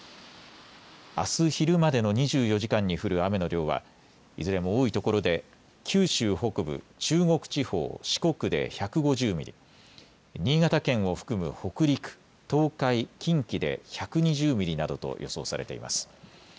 あす昼までの２４時間に降る雨の量はいずれも多いところで九州北部、中国地方、四国で１５０ミリ、新潟県を含む北陸、東海、近畿で１２０ミリなどと予想されています。